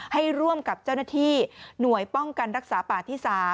ให้ร่วมกับเจ้าหน้าที่หน่วยป้องกันรักษาป่าที่๓